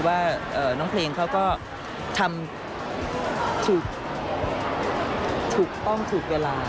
ว่าน้องเพลงเขาก็ทำถูกต้องถูกเวลา